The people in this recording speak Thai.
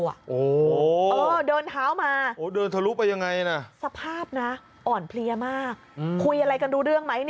โอ้โฮโอ้โฮเดินท้าวมาสภาพนะอ่อนเพลียมากคุยอะไรกันดูเรื่องไหม